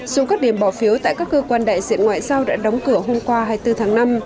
dù các điểm bỏ phiếu tại các cơ quan đại diện ngoại giao đã đóng cửa hôm qua hai mươi bốn tháng năm